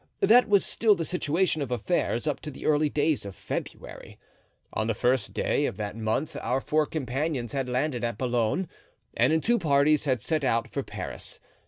That was still the situation of affairs up to the early days of February. On the first day of that month our four companions had landed at Boulogne, and, in two parties, had set out for Paris.